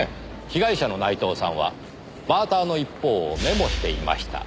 被害者の内藤さんはバーターの一方をメモしていました。